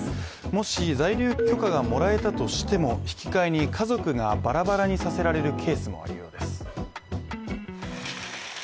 もし、在留許可がもらえたとしても、引き換えに家族がバラバラにさせらるケースもあるようです。